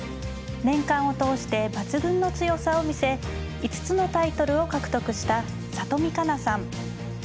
年間を通して抜群の強さを見せ５つのタイトルを獲得した里見香奈さん。